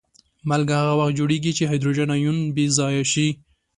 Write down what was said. مالګه هغه وخت جوړیږي چې هایدروجن آیونونه بې ځایه شي.